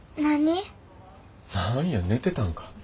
何や寝てたんか。